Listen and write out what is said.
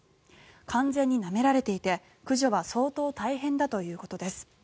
完全になめられていて駆除は相当大変だということです。